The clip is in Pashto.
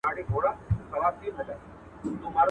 چي څنگه دېگ، هغسي ئې ټېپر.